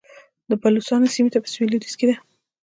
د بلوڅانو سیمې په سویل لویدیځ کې دي